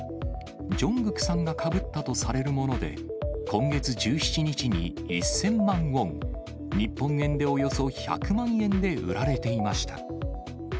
ジョングクさんがかぶったとされるもので、今月１７日に１０００万ウォン、日本円でおよそ１００万円で売られていました。